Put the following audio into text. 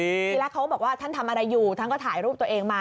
ทีแรกเขาก็บอกว่าท่านทำอะไรอยู่ท่านก็ถ่ายรูปตัวเองมา